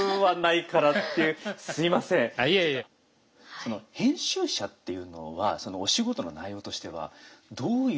その編集者っていうのはそのお仕事の内容としてはどういう？